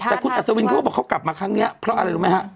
แต่คุณอัศวินเขาก็บอกเขากลับมาครั้งนี้เพราะอะไรรู้ไหมฮะ